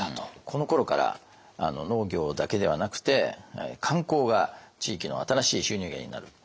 このころから農業だけではなくて観光が地域の新しい収入源になる。